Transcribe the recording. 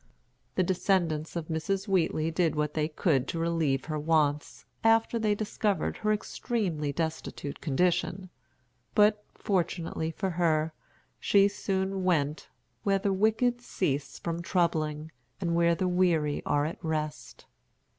The descendants of Mrs. Wheatley did what they could to relieve her wants, after they discovered her extremely destitute condition; but, fortunately for her, she soon went "where the wicked cease from troubling, and where the weary are at rest."